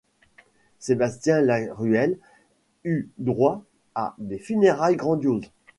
Sébastien Laruelle eut droit à des funérailles grandioses.